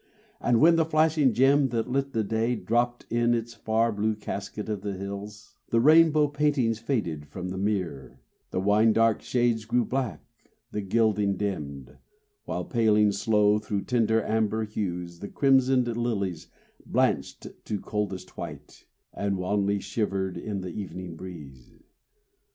But when the flashing gem that lit the day Dropped in its far blue casket of the hills, The rainbow paintings faded from the mere, The wine dark shades grew black, the gilding dimmed, While, paling slow through tender amber hues, The crimsoned lilies blanched to coldest white, And wanly shivered in the evening breeze.